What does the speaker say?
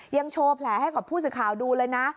ยังโชว์แผลให้กับผู้สื่อข่าวดูเลยนะ